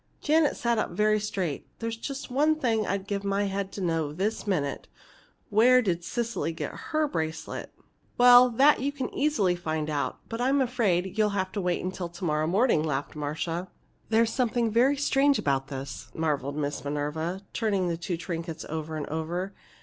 Janet sat up very straight. "There's just one thing I'd give my head to know this minute! Where did Cecily get her bracelet?" "Well, that you can easily find out but I'm afraid you'll have to wait till to morrow morning!" laughed Marcia. "There's something very strange about this," marveled Miss Minerva, turning the two trinkets over and over.